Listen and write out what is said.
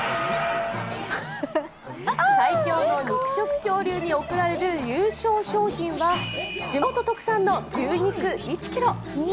最強の肉食恐竜に贈られる優勝賞品は地元特産の牛肉１ｋｇ！